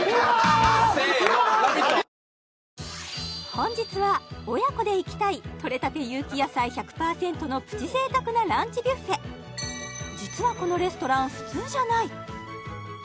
本日は親子で行きたいとれたて有機野菜１００％のプチ贅沢なランチビュッフェ実はいった！